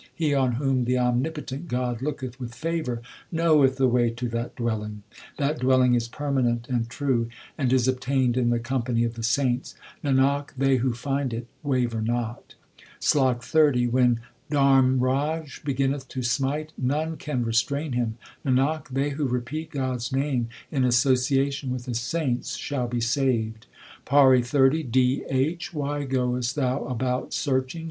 He on whom the omnipotent God looketh with favour, Knoweth the way to that dwelling. That dwelling is permanent and true, and is obtained in the company of the saints ; Nanak, they who find it waver not. SLOK XXX When Dharmraj beginneth to smite, none can restrain him : Nanak, they who repeat God s name in association with the saints shall be saved. PAURI XXX D H. Why goest thou about searching